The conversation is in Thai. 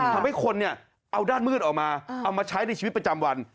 ทำให้คนเอาด้านมืดออกมาเอามาใช้ในชีวิตประจำวัน